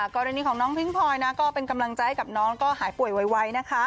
กรณีของน้องพิ้งพลอยมันก็เป็นกำลังใจให้กับน้องหายป่วยไว